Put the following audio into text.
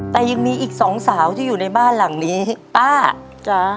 แต่ยังมีอีกสองสาวที่อยู่ในบ้านหลังนี้ป้าจ๊ะ